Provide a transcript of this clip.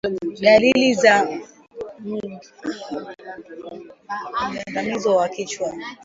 Dalili za mgandamizo wa kichwa